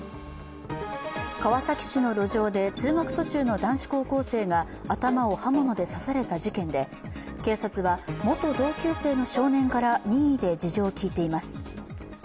川崎市の路上で通学途中の男子高校生が頭を刃物で刺された事件で警察は元同級生の少年から任意で事情を聴いています。